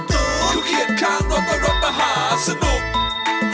คือเหยียดข้างรถและรถมหาสนุก